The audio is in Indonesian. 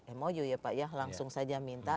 eh mau juga ya pak yah langsung saja minta